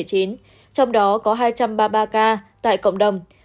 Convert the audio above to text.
trong đó có hai trăm ba mươi ba ca tại cộng đồng